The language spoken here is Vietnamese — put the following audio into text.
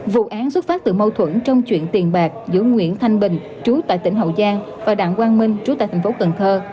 vụ án xuất phát từ mâu thuẫn trong chuyện tiền bạc giữa nguyễn thanh bình chú tại tỉnh hậu giang và đặng quang minh trú tại thành phố cần thơ